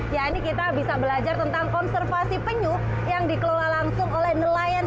ya ini kita bisa belajar tentang konservasi penyuh yang dikeluar langsung oleh nelayan sejarah